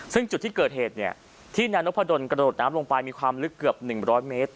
ซึ่งจุดที่เกิดเหตุที่นายนพดลกระโดดน้ำลงไปมีความลึกเกือบ๑๐๐เมตร